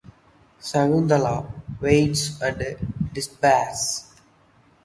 Shakuntala waits and despairs.